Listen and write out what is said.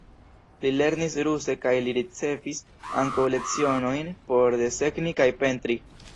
Li lernis ruse kaj li ricevis ankaŭ lecionojn por desegni kaj pentri.